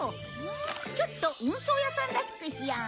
ちょっと運送屋さんらしくしよう。